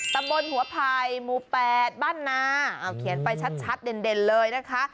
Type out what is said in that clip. ตำบลหัวไผ่หมู่๘บ้านนาเอาเขียนไปชัดเด่นเลยนะคะ